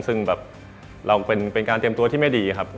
ซึ่งแบบเราเป็นการเตรียมตัวที่ไม่ดีครับ